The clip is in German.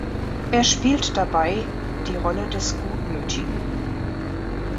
Er spielt dabei die Rolle des Gutmütigen.